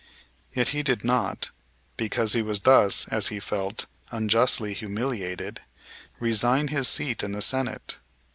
Yet he did not, because he was thus, as he felt, unjustly humiliated, resign his seat in the Senate.